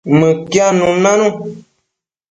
Mëquiadnun nanu